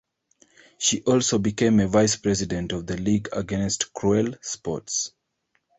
She also became a vice-president of the League Against Cruel Sports.